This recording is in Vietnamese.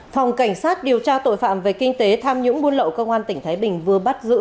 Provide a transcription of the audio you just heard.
phòng cảnh sát điều tra tội phạm về kinh tế tham nhũng buôn lậu công an tỉnh thái bình vừa bắt giữ